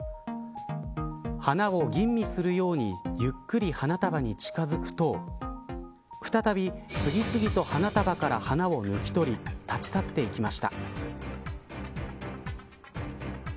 花を吟味するようにゆっくり花束に近づくと再び次々と花束から花を抜き取り立ち去っていきました。